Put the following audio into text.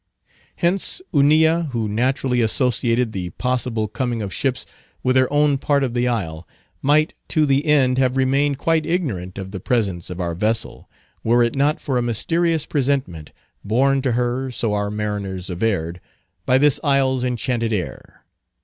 Hence Hunilla, who naturally associated the possible coming of ships with her own part of the isle, might to the end have remained quite ignorant of the presence of our vessel, were it not for a mysterious presentiment, borne to her, so our mariners averred, by this isle's enchanted air.